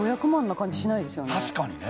確かにね。